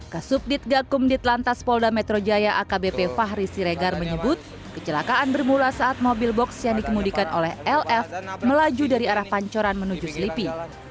kesubdit gakumdit lantas polda metro jaya akbp fahri siregar menyebut kecelakaan bermula saat mobil box yang dikemudikan oleh lf melaju dari arah pancoran menuju selipi